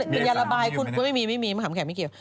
เป็นยาละบายไม่มีมะขามแขกไม่เกี่ยว